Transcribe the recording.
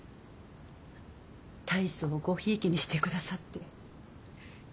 大層ごひいきにしてくださって。